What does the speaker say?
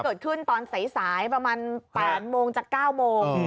เกิดขึ้นตอนสายประมาณ๘โมงจาก๙โมง